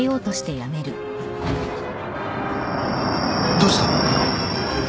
・どうした？